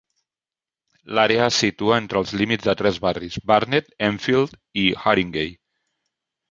L'àrea es situa entre els límits de tres barris: Barnet, Enfield i Haringey.